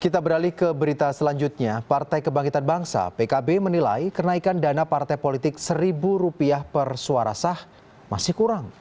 kita beralih ke berita selanjutnya partai kebangkitan bangsa pkb menilai kenaikan dana partai politik rp satu per suara sah masih kurang